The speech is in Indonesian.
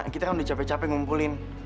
kita kan udah capek capek ngumpulin